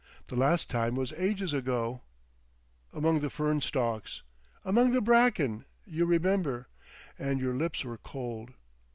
The last time was ages ago." "Among the fern stalks." "Among the bracken. You remember. And your lips were cold.